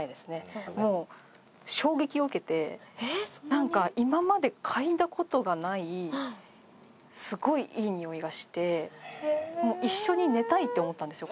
なんか今まで嗅いだ事がないすごいいい匂いがして一緒に寝たいって思ったんですよ